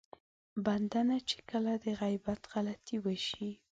بنده نه چې کله د غيبت غلطي وشي.